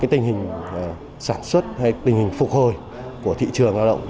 tình hình sản xuất tình hình phục hồi của thị trường lao động